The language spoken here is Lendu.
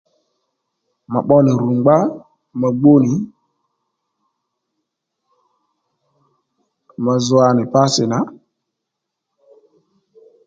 Mà pbo nì rù ngbá mà gbú nì ma zwa nì pásì nà